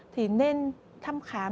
thì nên thăm khám